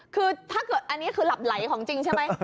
คืออันนี้คือหลับไหลของจริงใช่ไหม